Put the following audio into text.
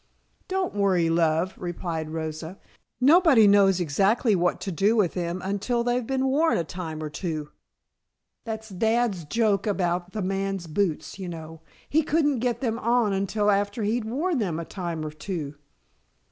"Don't worry, love," replied Rosa. "Nobody knows exactly what to do with them until they've been worn a time or two. That's dad's joke about the man's boots, you know. He couldn't get them on until after he had worn them a time or two!"